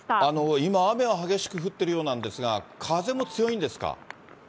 今、雨は激しく降っているようなんですが、風も強いんですか？